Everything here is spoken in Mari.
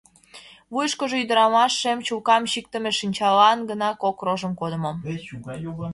Вуйышкыжо ӱдырамаш шем чулкам чиктыме, шинчалан гына кок рожым кодымо.